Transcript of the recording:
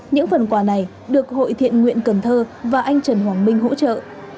những phần quà này được hội thiện nguyện cần thơ và anh trần hoàng minh hỗ trợ